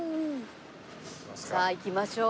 さあ行きましょう。